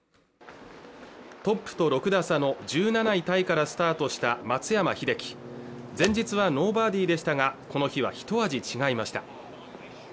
トップと６打差の１７位タイからスタートした松山英樹前日はノーバーディーでしたがこの日はひと味違いました